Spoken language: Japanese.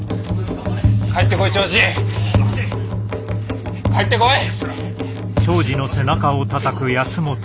長次帰ってこい。